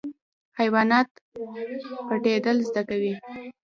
حیوانات پټیدل زده کوي